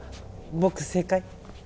僕正解？